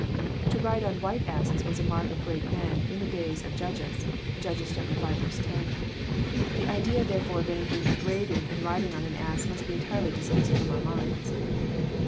To ride on white asses was a mark of great men in the days of the Judges. (Judges v. 10.) The idea therefore of anything degrading in riding on an ass must be entirely dismissed from our minds.